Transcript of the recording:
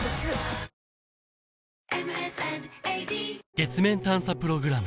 月面探査プログラム